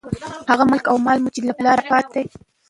هغه ملک او مال، چې مو له پلاره پاتې دى.